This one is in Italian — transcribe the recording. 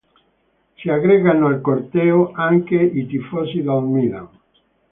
Si aggregano al corteo anche i tifosi del Milan.